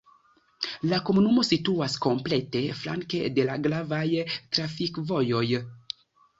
La komunumo situas komplete flanke de la gravaj trafikvojoj.